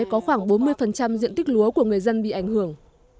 có khoảng bốn mươi diện tích lúa của người dân bị ảnh hưởng